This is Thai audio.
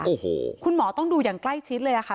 โอ้โหคุณหมอต้องดูอย่างใกล้ชิดเลยค่ะ